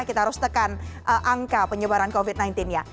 kita harus tekan angka penyebaran covid sembilan belas nya